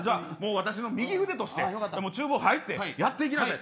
私の右腕として、厨房入ってやっていきなさい。